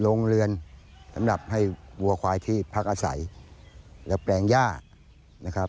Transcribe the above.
โรงเรือนสำหรับให้วัวควายที่พักอาศัยและแปลงย่านะครับ